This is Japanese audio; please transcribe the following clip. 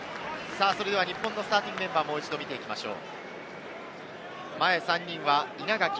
それでは、日本のスターティングメンバーをもう一度見てみましょう。